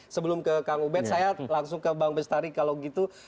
sebelum ke kang ubed saya langsung ke bang bestari kalau gitu